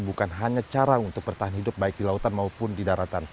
bukan hanya cara untuk bertahan hidup baik di lautan maupun di daratan